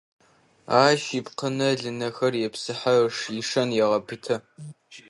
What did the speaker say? Ащ ипкъынэ-лынэхэр епсыхьэ, ишэн егъэпытэ.